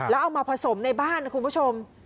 แล้วเอามาผสมในบ้านนะคุณผู้ชม